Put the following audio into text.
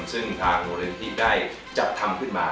ซึ่งทางโนเรนที่ได้จับทำขึ้นมา